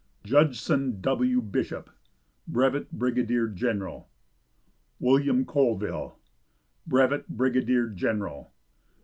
Judson W. Bishop, Brevet Brigadier General. William Colville, Brevet Brigadier General.